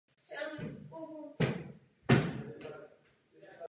Účinnost některých věcí, které děláme, tudíž není stoprocentní.